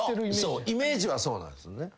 イメージはそうなんですよね。